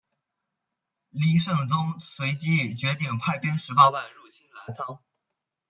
黎圣宗随即决定派兵十八万入侵澜沧。